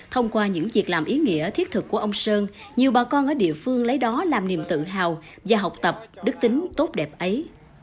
thông qua những việc làm ý nghĩa thiết thực của ông sơn nhiều bà con ở địa phương lấy đó làm niềm tự hào và học tập đức tính tốt đẹp ấy